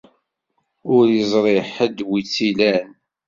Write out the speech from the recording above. Ur iẓri ḥedd wi tt-ilan.